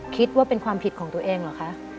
คิดว่าเป็นความผิดของตัวเองเหรอคะ